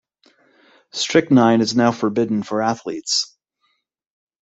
Strychnine is now forbidden for athletes.